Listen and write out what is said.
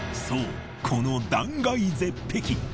そうこの断崖絶壁。